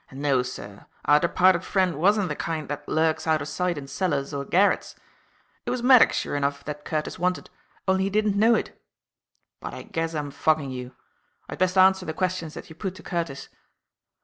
No, sir, our dear departed friend wasn't the kind that lurks out of sight in cellars or garrets. It was Maddock, sure enough, that Curtis wanted, only he didn't know it. But I guess I'm fogging you. I'd best answer the questions that you put to Curtis.